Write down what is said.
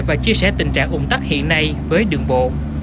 và chia sẻ tình trạng ủng tắc hiện nay với đường bộ